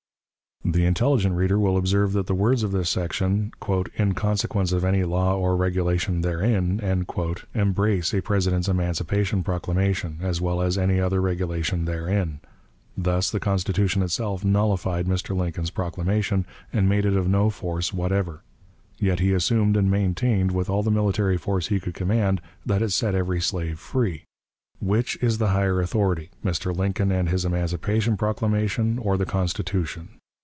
The intelligent reader will observe that the words of this section, "in consequence of any law or regulation therein," embrace a President's emancipation proclamation, as well as any other regulation therein. Thus the Constitution itself nullified Mr. Lincoln's proclamation, and made it of no force whatever. Yet he assumed and maintained, with all the military force he could command, that it set every slave free. Which is the higher authority, Mr. Lincoln and his emancipation proclamation or the Constitution?